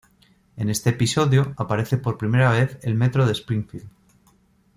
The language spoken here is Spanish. En este episodio aparece por primera vez el metro de Springfield.